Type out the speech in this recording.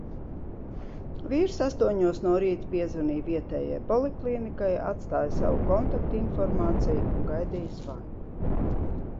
Vīrs astoņos no rīta piezvanīja vietējai poliklīnikai, atstāja savu kontaktinformāciju un gaidīja zvanu.